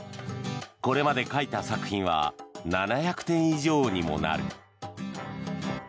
これまで描いた作品は７００点以上にもなる。